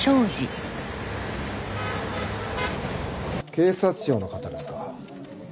警察庁の方ですか。